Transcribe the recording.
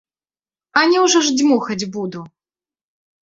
А няўжо ж дзьмухаць буду?